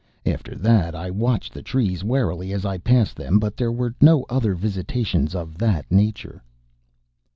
After that I watched the trees warily as I passed them, but there were no other visitations of that nature.